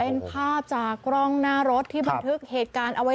เป็นภาพจากกล้องหน้ารถที่บันทึกเหตุการณ์เอาไว้